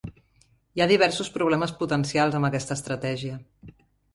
Hi ha diversos problemes potencials amb aquesta estratègia.